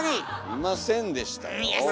いませんでしたよ。